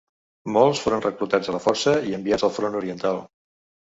Molts foren reclutats a la força i enviats al Front Oriental.